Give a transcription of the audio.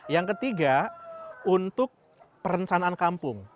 yang ketiga untuk perencanaan kampung